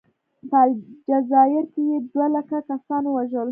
په الجزایر کې یې دوه لکه کسان ووژل.